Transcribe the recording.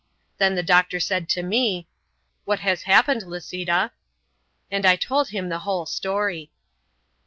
Then the doctor said to me, "What has happened, Lisita?" And I told him the whole story.